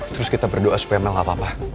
terus kita berdoa supaya memang gak apa apa